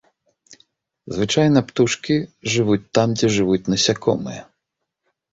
Звычайна птушкі жывуць там, дзе жывуць насякомыя.